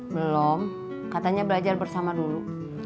belum katanya belajar bersama dulu